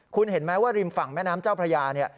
คุณเห็นไหมว่าริมฝั่งแม่น้ำเจ้าพระยาเนี่ย